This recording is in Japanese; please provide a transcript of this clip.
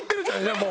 もう。